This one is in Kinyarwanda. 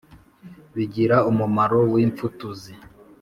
bigira umumaro wi mfutuzi.